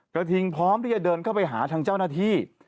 กระทิงพร้อมที่จะเดินเข้าไปหาทางเจ้าหน้าที่